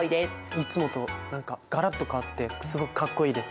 いつもと何かガラッと変わってすごくかっこいいです。